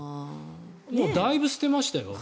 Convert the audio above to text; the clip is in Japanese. もうだいぶ捨てましたよ